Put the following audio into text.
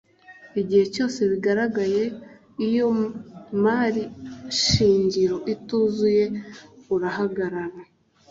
igihe cyose bigaragayeko iyo mari shingiro ituzuye urahagarara